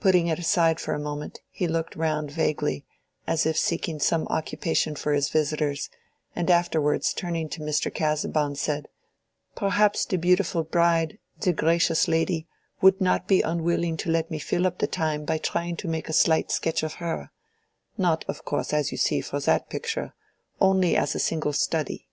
Putting it aside for a moment, he looked round vaguely, as if seeking some occupation for his visitors, and afterwards turning to Mr. Casaubon, said— "Perhaps the beautiful bride, the gracious lady, would not be unwilling to let me fill up the time by trying to make a slight sketch of her—not, of course, as you see, for that picture—only as a single study."